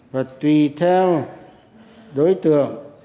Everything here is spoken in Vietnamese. và tùy theo đối tượng